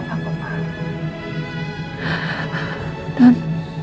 tidak papa maaf